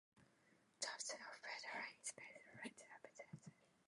The absence of federal inspection led to abuses.